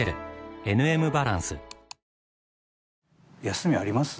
休みあります？